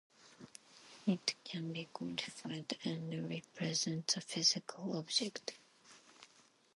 It can be quantified and represents a physical object.